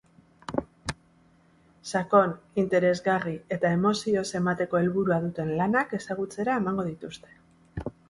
Sakon, interesgarri eta emozioz emateko helburua duten lanak ezagutzera emango dituzte.